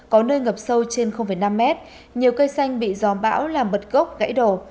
có nơi ngập sâu trên năm mét nhiều cây xanh bị gió bão làm bật gốc gãy đổ